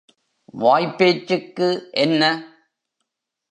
வாய்ப் பேச்சுக்கு என்ன?